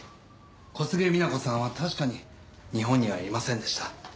小菅みな子さんは確かに日本にはいませんでした。